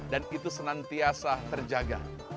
dan itu senantiasa terjaga